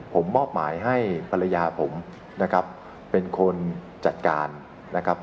ผมมอบหมายให้ภรรยาผมนะครับเป็นคนจัดการนะครับ